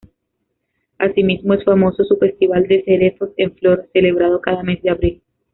Asimismo es famoso su "Festival de cerezos en flor" celebrado cada mes de abril.